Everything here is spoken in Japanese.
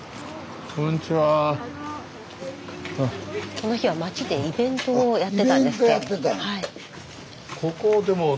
この日は町でイベントをやってたんです。